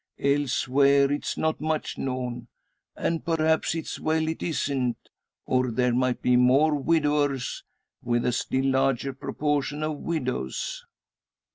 Elsewhere it's not much known, and perhaps it's well it isn't; or there might be more widowers, with a still larger proportion of widows."